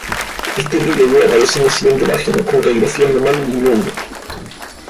Este epílogo aparece en la siguiente página, con caligrafía normal de Jung.